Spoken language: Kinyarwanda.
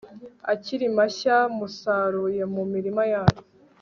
akiri mashya musaruye mu mirima yanyu